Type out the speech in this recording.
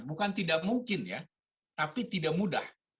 bukan tidak mungkin ya tapi tidak mudah